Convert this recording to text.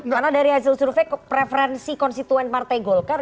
karena dari hasil survei preferensi konstituen partai golkar